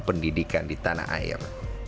pendidikan di tanah air